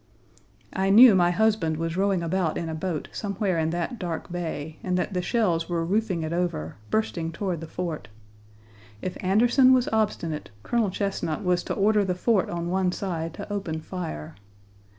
I knew my husband was rowing about in a boat somewhere in that dark bay, and that the shells were roofing it over, bursting toward the fort. If Anderson was obstinate, Colonel Page 36 Chesnut was to order the fort on one side to open fire.